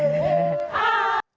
kami berbicara tentang kebahagiaan